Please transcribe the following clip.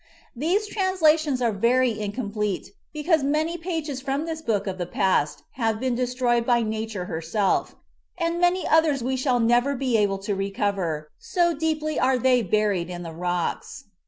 These translations are very incomplete because many pages from this book of the past have been de stroyed by Nature herself, and many others we shall never be able to recover, so deeply are they buried in the rocks.